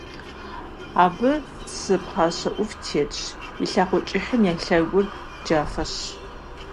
Абы цы пхъашэ Ӏув тетщ, и лъакъуэ кӀыхьхэм я лъэгур джафэщ.